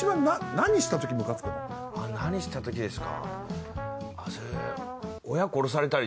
何したときですか。